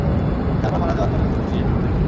চার বার মারা যাওয়ার পরেও খুব খুশি, এই প্রথম দেখলাম।